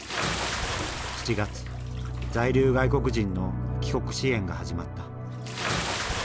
７月在留外国人の帰国支援が始まった。